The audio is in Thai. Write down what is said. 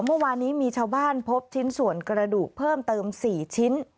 เมื่อวานนี้มีชาวบ้านพบชิ้นส่วนกระดูกเพิ่มเติม๔ชิ้น